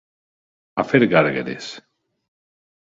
A fer gàrgares.